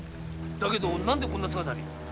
だけど何でこんな姿に。